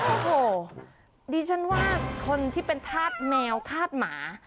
โอ้โหดิฉันว่าคนที่เป็นธาตุแมวธาตุหมา